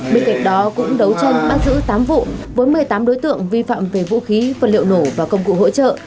bên cạnh đó cũng đấu tranh bắt giữ tám vụ với một mươi tám đối tượng vi phạm về vũ khí vật liệu nổ và công cụ hỗ trợ